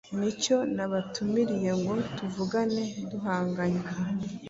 Ni cyo nabatumiriye ngo tuvugane duhanganye: